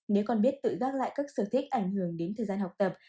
nếu con biết tự dắt lại các sự thích ảnh hưởng đến thời gian học tập